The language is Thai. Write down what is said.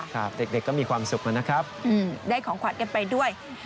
ครับเด็กก็มีความสุขนะครับได้ของขวัญกันไปด้วย